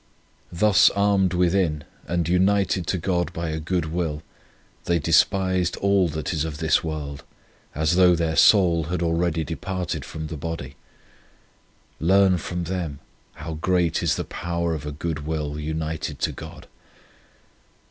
Thus armed within and united to God by a good will, they de spised all that is of this world, as though their soul had already departed from the body. Learn from them how great is the power of a good will united to God.